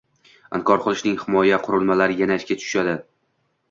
Inkor qilishning himoya qurilmalari yana ishga tushadi: